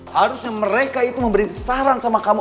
harusnya mereka itu memberi saran sama kamu